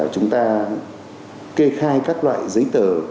chúng ta kê khai các loại giấy tờ